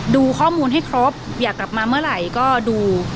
ดูข้อมูลให้ครบอยากกลับมาเมื่อไหร่ก็ดู